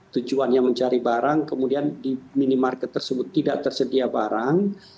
tujuannya mencari barang kemudian di minimarket tersebut tidak tersedia barang